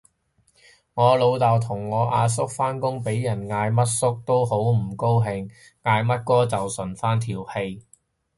我老豆同我阿叔返工俾人嗌乜叔都好唔高興，嗌乜哥就順返條氣